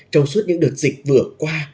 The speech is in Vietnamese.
trong suốt những đợt dịch vừa qua